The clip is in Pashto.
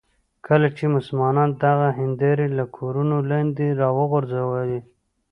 کله چې مسلمانان دغه هندارې له کورونو لاندې راوغورځوي.